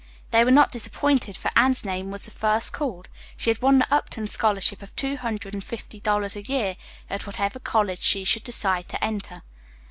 They were not disappointed, for Anne's name was the first called. She had won the Upton Scholarship of two hundred and fifty dollars a year, at whatever college she should decide to enter.